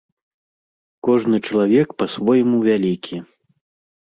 Кожны чалавек па-свойму вялікі.